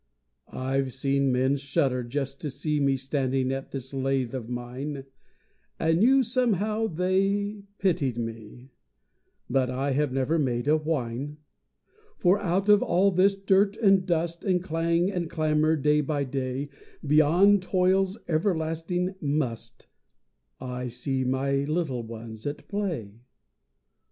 I've seen men shudder just to see Me standing at this lathe of mine, And knew somehow they pitied me, But I have never made a whine; For out of all this dirt and dust And clang and clamor day by day, Beyond toil's everlasting "must," I see my little ones at play.